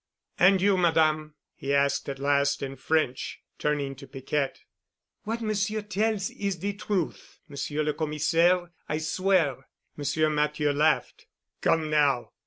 "And you, Madame?" he asked at last in French, turning to Piquette. "What Monsieur tells is the truth, Monsieur le Commissaire. I swear." Monsieur Matthieu laughed. "Come now.